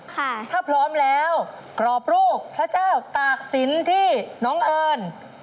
ถ้าพร้อมแล้วกรอบรูปพระเจ้าตากศิลป์ที่น้องเอิญ